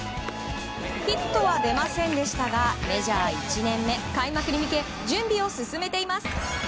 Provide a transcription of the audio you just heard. ヒットは出ませんでしたがメジャー１年目、開幕に向け準備を進めています。